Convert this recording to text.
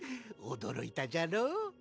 おどろいたじゃろう？